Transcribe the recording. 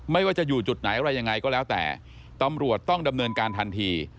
ไม่ว่าจะอยู่จุดไหนอะไรยังไงก็แล้วแต่ตำรวจต้องดำเนินการทันที